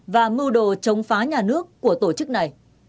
và mưu đồ chống phá nhà nước của tổ chức này